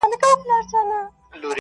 ماته به بله موضوع پاته نه وي.